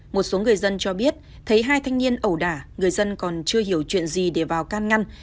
một số người dân cho biết thấy hai thanh niên ẩu đả người dân còn chưa hiểu chuyện gì để vào can ngăn